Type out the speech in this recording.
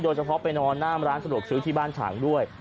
โดยเฉพาะไปนอนหน้ามร้านสะดวกซื้อที่บ้านฉางด้วย